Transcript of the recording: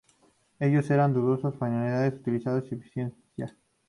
Ellos eran de dudosa fiabilidad, utilidad y eficiencia.